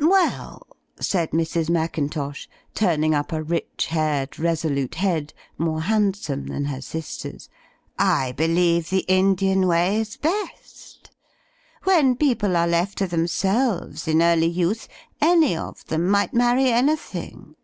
"Well," said Mrs. Mackintosh, turning u^a>'i^ 3IO THE FLYING INN haired, resolute head, more handsome than her sister's, "I believe the Indian way is the best. When people are left to themselves in early youth, any of them might marry anything.